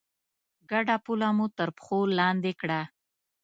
ګډه پوله مو تر پښو لاندې کړه.